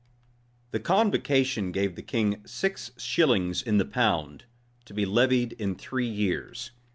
The convocation gave the king six shillings in the pound, to be levied in three years.